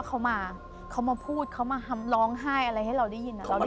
เขามาร้องไห้อย่างไง